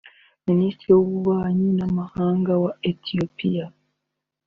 Minisitiri w’ububanyi n’amahanga wa Etiyopiya